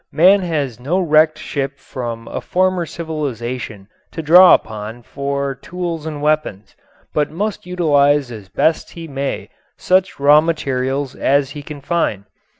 Man has no wrecked ship from a former civilization to draw upon for tools and weapons, but must utilize as best he may such raw materials as he can find.